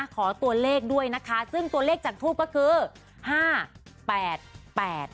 ขอตัวเลขด้วยนะคะซึ่งตัวเลขจากทูปก็คือ